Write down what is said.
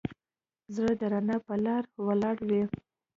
زړه د رڼا په لاره ولاړ وي.